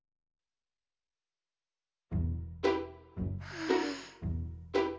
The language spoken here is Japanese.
はあ。